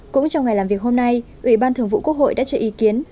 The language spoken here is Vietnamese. cũng trong ngày làm việc hôm nay ủy ban thường vụ quốc hội đã cho ý kiến